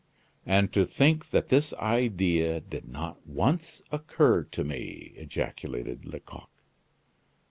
"And to think that this idea did not once occur to me!" ejaculated Lecoq.